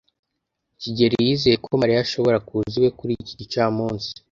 kigeli yizeye ko Mariya ashobora kuza iwe kuri iki gicamunsi.